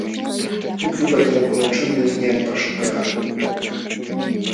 Pukyu patankunaćhuumi wiñan paśhukaq.